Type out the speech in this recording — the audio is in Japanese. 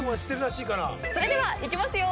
それではいきますよ。